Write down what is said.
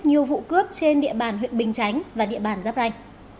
nhiều vụ cướp trên địa bàn huyện bình chánh và địa bàn giáp ranh